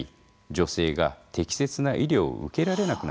女性が適切な医療を受けられなくなってしまいます。